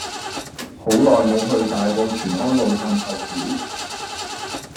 好耐無去大埔全安路探舅父